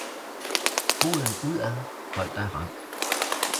foden ud ad, hold dig rank